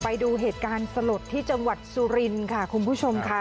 ไปดูเหตุการณ์สลดที่จังหวัดสุรินค่ะคุณผู้ชมค่ะ